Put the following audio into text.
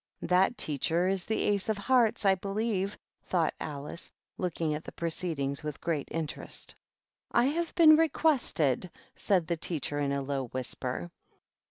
" That teacher is the Ace of Hearts, I believe," thought Alice, looking at the proceedings with great interest. " I have been requested " said the teacher, in a low whisper.